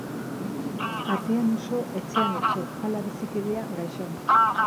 Atean uso, etxean otso; hala bizikidea, gaixo.